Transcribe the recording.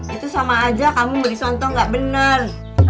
itu sama aja kamu berisonto gak bener